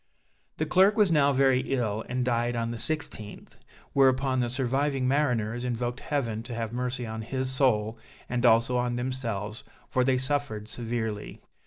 The clerk was now very ill, and died on the 16th, whereupon the surviving mariners invoked Heaven to have mercy on his soul, and also on themselves, for they suffered severely.